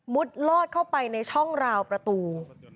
ลอดเข้าไปในช่องราวประตู